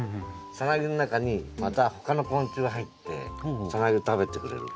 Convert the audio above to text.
サナギの中にまた他の昆虫が入ってサナギを食べてくれる。